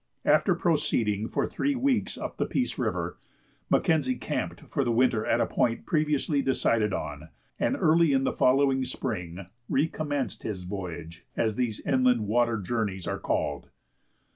After proceeding for three weeks up the Peace River, Mackenzie camped for the winter at a point previously decided on, and early in the following spring recommenced his "voyage," as these inland water journeys are called.